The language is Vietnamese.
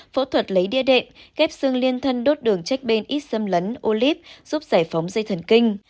phẫu thuật lấy địa điểm ghép xương liên thân đốt đường trách bên ít xâm lấn ô líp giúp giải phóng dây thần kinh